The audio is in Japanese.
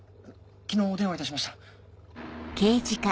昨日お電話いたしました。